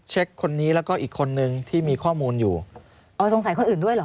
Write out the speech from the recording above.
คนนี้แล้วก็อีกคนนึงที่มีข้อมูลอยู่อ๋อสงสัยคนอื่นด้วยเหรอ